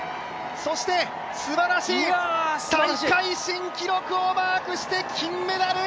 そして、すばらしい大会新記録をマークして金メダル！